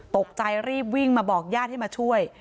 ตกใจรีบวิ่งมาบอกญาติให้มาช่วย